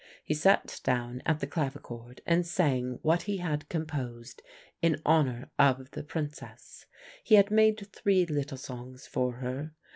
He sat down at the clavichord and sang what he had composed in honour of the Princess. He had made three little songs for her.